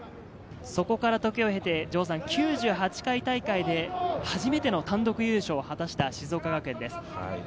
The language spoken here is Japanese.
そこから時を経て、９８回大会で初めての単独優勝を果たした静岡学園です。